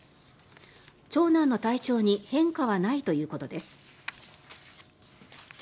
長男の体調に変化はないということです。